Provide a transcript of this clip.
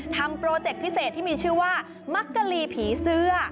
โปรเจคพิเศษที่มีชื่อว่ามักกะลีผีเสื้อ